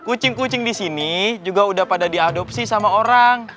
kucing kucing disini juga udah pada diadopsi sama orang